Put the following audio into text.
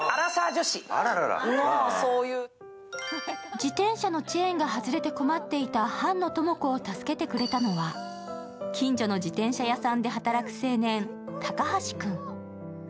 自転車のチェーンが外れて困っていた飯野朋子を助けてくれたのは近所の自転車屋さんで働く青年、高橋くん。